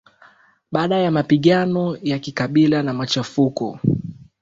baada ya mapigano ya kikabila na machafuko